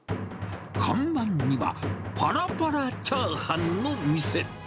看板には、ぱらぱらチャーハンの店。